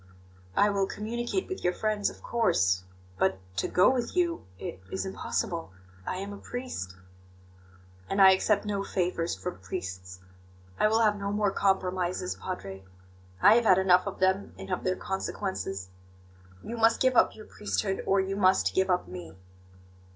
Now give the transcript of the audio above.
"I will communicate with your friends, of course. But to go with you it is impossible I am a priest." "And I accept no favours from priests. I will have no more compromises, Padre; I have had enough of them, and of their consequences. You must give up your priesthood, or you must give up me."